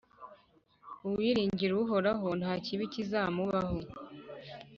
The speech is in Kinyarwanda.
uwiringira Uhoraho, nta kibi kizamubaho.